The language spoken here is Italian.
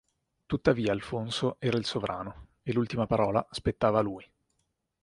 Tuttavia Alfonso era il sovrano, e l'ultima parola spettava a lui.